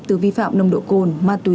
từ vi phạm nồng độ cồn ma túy